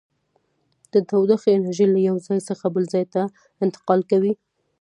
د تودوخې انرژي له یو ځای څخه بل ځای ته انتقال کوي.